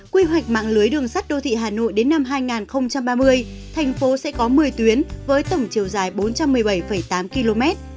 quy hoạch mạng lưới đường sắt đô thị hà nội đến năm hai nghìn ba mươi thành phố sẽ có một mươi tuyến với tổng chiều dài bốn trăm một mươi bảy tám km